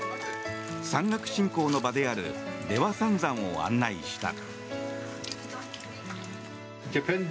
山岳信仰の場である出羽三山を案内した。